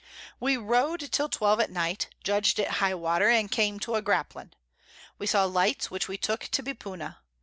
We rowed till 12 at Night, judg'd it High Water, and came to a Graplin: We saw Lights, which we took to be Puna.